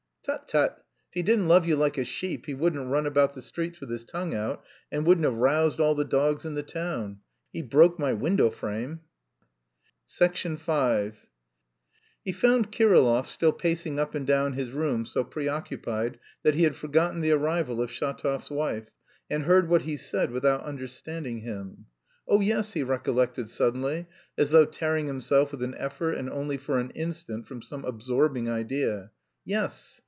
"Tut, tut, tut, if he didn't love you like a sheep he wouldn't run about the streets with his tongue out and wouldn't have roused all the dogs in the town. He broke my window frame." V He found Kirillov still pacing up and down his room so preoccupied that he had forgotten the arrival of Shatov's wife, and heard what he said without understanding him. "Oh, yes!" he recollected suddenly, as though tearing himself with an effort and only for an instant from some absorbing idea, "yes...